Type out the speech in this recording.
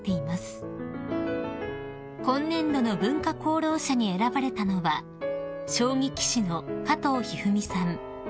［今年度の文化功労者に選ばれたのは将棋棋士の加藤一二三さん